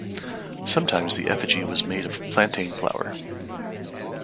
Sometimes the effigy was made out of a plantain-flower.